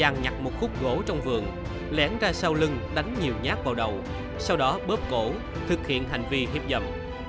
nhặt một khúc gỗ trong vườn lén ra sau lưng đánh nhiều nhát vào đầu sau đó bóp cổ thực hiện hành vi hiếp dầm